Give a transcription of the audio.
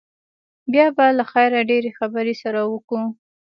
بيا به له خيره ډېرې خبرې سره وکو.